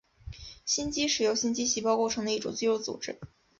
心肌是由心肌细胞构成的一种肌肉组织。